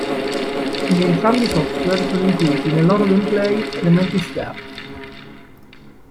In entrambi i software sono inclusi, nel loro gameplay, elementi stealth.